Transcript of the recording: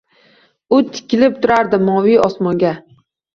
U tikilib turardi moviy osmonga.